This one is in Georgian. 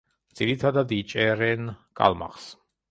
ძირითადად იჭერენ კალმახს.